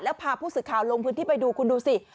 แล้วพาผู้สื่อข่าวลงพื้นที่ไปดูคุณดูสิ